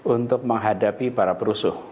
untuk menghadapi para perusuh